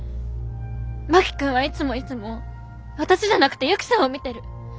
真木君はいつもいつも私じゃなくてユキさんを見てる。